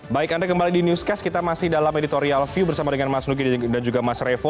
baik anda kembali di newscast kita masih dalam editorial view bersama dengan mas nugi dan juga mas revo